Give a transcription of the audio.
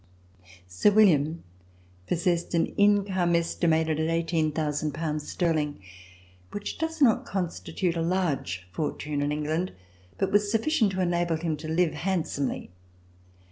Sir William possessed an income estimated at 18,000 pounds sterling, which does not constitute a large fortune in England, but was sufficient to enable him to live handsomely.